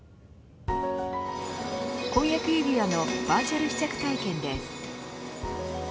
婚約指輪のバーチャル試着体験です。